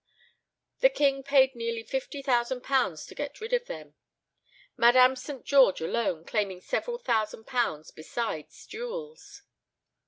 The king paid nearly £50,000 to get rid of them; Madame St. George alone claiming several thousand pounds besides jewels.